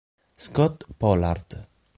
Scot Pollard